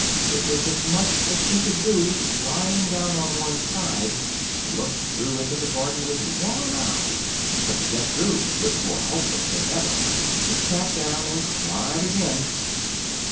it was as much as she could do, lying down on one side, to look through into the garden with one eye, but to get through was more hopeless than ever: she sat down and cried again.